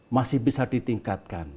masih bisa ditingkatkan